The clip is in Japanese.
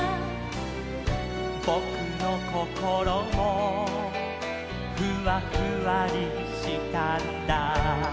「ぼくのこころもフワフワリしたんだ」